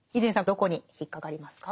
どこに引っ掛かりますか？